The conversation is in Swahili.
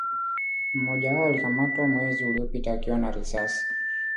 mmoja wao alikamatwa mwezi uliopita akiwa na risasi